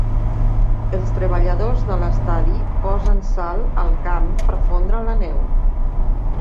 Els treballadors de l'estadi posen sal al camp per fondre la neu.